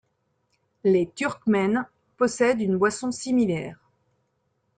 Les Turkmènes possèdent une boisson similaire.